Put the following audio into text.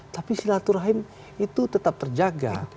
tapi silaturahim itu tetap terjaga